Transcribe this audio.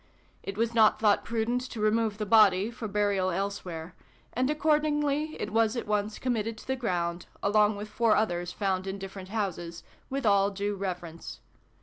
It was not thoiight prudent to remove the body, for burial elsewhere : and ac cordingly it was at once committed to the gro2ind, along with four others found in different houses, with all diie reverence.